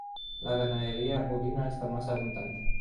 La ganadería ovina es la más abundante.